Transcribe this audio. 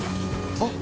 ・あっ！！